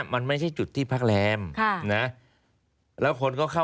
ไม่ได้ไปเดินแฟชั่นเนอะ